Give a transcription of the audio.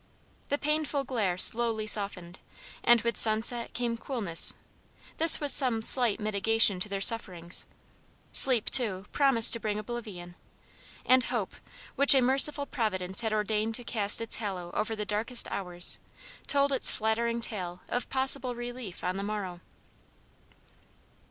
The painful glare slowly softened, and with sunset came coolness; this was some slight mitigation to their sufferings; sleep too, promised to bring oblivion; and hope, which a merciful Providence has ordained to cast its halo over the darkest hours, told its flattering tale of possible relief on the morrow.